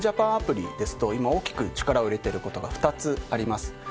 アプリですと今大きく力を入れてることが２つあります。